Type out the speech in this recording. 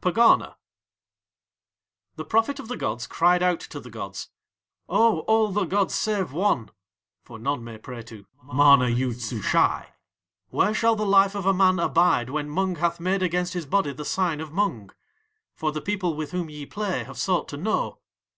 PEGANA The prophet of the gods cried out to the gods: "O! All the gods save One" for none may pray to MANA YOOD SUSHAI, "where shall the life of a man abide when Mung hath made against his body the sign of Mung? for the people with whom ye play have sought to know."